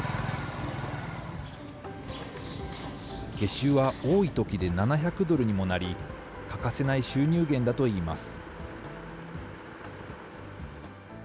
月収は多いときで７００ドルにもなり、欠かせない収入源だといいます。